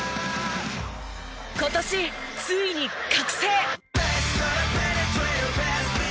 今年ついに覚醒！